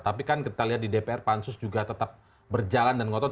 tapi kan kita lihat di dpr pansus juga tetap berjalan dan ngotot